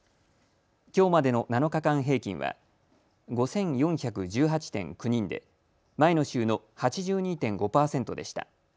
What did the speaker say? きょうまでの７日間平均は５４１８．９人で前の週の８２．５％でした。